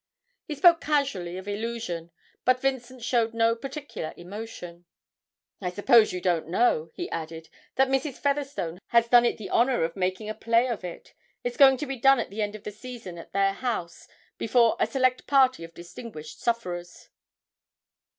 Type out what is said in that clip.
He spoke casually of 'Illusion,' but Vincent showed no particular emotion. 'I suppose you don't know,' he added, 'that Mrs. Featherstone has done it the honour of making a play of it it's going to be done at the end of the season at their house, before a select party of distinguished sufferers.'